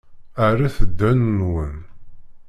Rret ddhen-nwen.